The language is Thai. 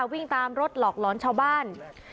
วิ่งตามรถหลอกหลอนชาวบ้าน